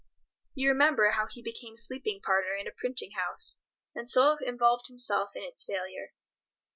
You remember how he became sleeping partner in a printing house, and so involved himself in its failure.